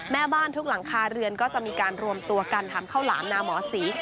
แม่บ้านทุกหลังคาเรือนก็จะมีการรวมตัวกันทำข้าวหลามนาหมอศรี